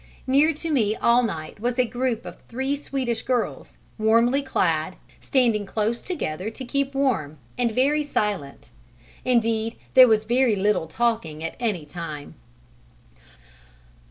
Near to me all night was a group of three Swedish girls, warmly clad, standing close together to keep warm, and very silent; indeed there was very little talking at any time.